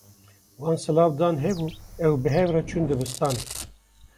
Wan silav dan hev û ew bi hev re çûn dibistanê.